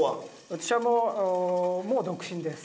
私はもう独身です。